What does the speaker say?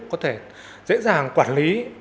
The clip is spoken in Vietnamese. có thể dễ dàng quản lý